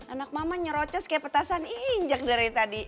anak mama nyeroces kayak petasan injak dari tadi